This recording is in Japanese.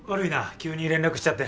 急に連絡しちゃって。